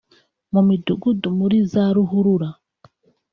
mu midugudu muri za ruhurura